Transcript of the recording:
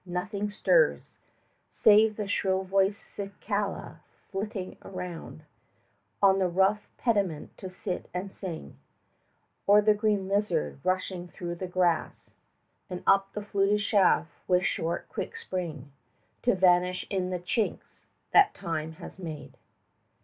Nothing stirs Save the shrill voiced cicala flitting round 55 On the rough pediment to sit and sing; Or the green lizard rushing through the grass, And up the fluted shaft with short quick spring, To vanish in the chinks that time has made.